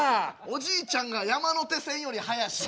おじいちゃんが山手線より速し。